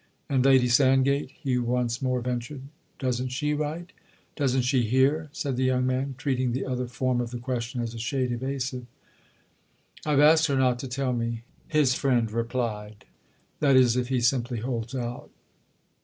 "And Lady Sandgate?" Hugh once more ventured. "Doesn't she write?" "Doesn't she hear?" said the young man, treating the other form of the question as a shade evasive. "I've asked her not to tell me," his friend replied—"that is if he simply holds out."